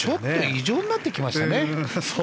異常になってきましたね。